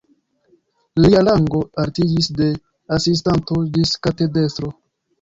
Lia rango altiĝis de asistanto ĝis katedrestro.